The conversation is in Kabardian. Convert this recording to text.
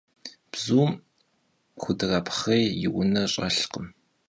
Bzum xudrapxhêy yi vune ş'elhkhım.